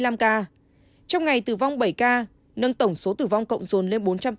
trong ngày tử vong bảy ca nâng tổng số tử vong cộng dồn lên bốn trăm tám mươi một ca